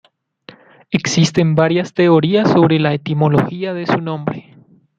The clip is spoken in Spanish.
Existen varias teorías sobre la etimología de su nombre.